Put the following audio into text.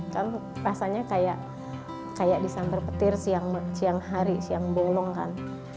kan rasanya kayak di santer petir siang hari siang bolong kan